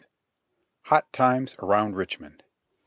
HOT TIME;S around RICHMOND.